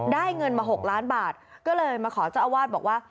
เงินมา๖ล้านบาทก็เลยมาขอเจ้าอาวาสบอกว่า